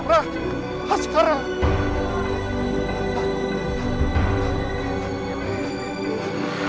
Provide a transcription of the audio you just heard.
bapak kejar sekarang aja